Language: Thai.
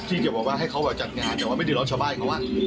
ที่จะบอกว่าให้เขาจัดงานแต่ว่าไม่ได้รับชาวบ้าน